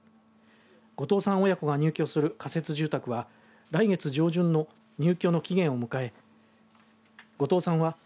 後藤さん親子が入居する仮設住宅は来月上旬の入居の期限を迎え後藤さん